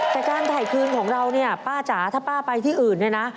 แต่การถ่ายพื้นของเราป้าจ๋าถ้าไปที่อื่นนะ